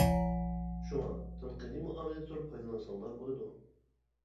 شۇڭا، تەنقىدىي مۇئامىلىدە تۇرۇپ پايدىلانساڭلار بولىدۇ.